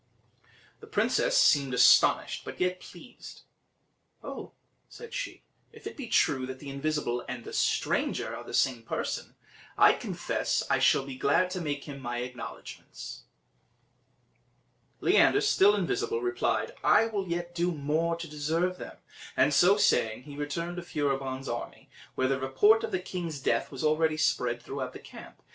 The princess seemed astonished, but yet pleased. "Oh," said she, "if it be true that the invisible and the stranger are the same person, I confess I shall be glad to make him my acknowledgments." Leander, still invisible, replied, "I will yet do more to deserve them;" and so saying he returned to Furibon's army, where the report of the king's death was already spread throughout the camp.